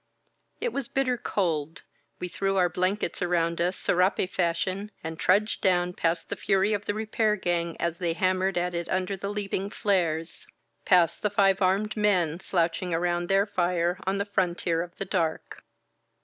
It was bitter cold. We threw our blankets around us, serape fashion, and trudged down past the fury of the repair gang as they hammered at it under the leap ing flares — ^past the five armed men slouching around their fire on the frontier of the dark.